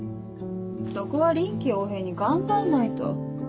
そこは臨機応変に考えないと。